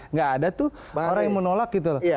nggak ada tuh orang yang menolak gitu loh